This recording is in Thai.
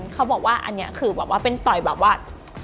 เขาบอกว่าอันนี้คือแบบว่าเป็นต่อยแบบว่า